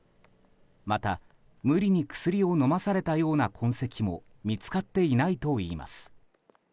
また、無理に薬を飲まされたような痕跡も見つかっていないといいます。